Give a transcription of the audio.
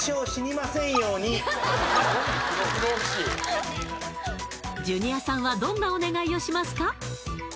・不老不死ジュニアさんはどんなお願いをしますか？